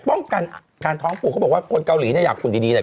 ป้องกันการท้องปลูกเขาบอกว่าคนเกาหลีอยากขุนดี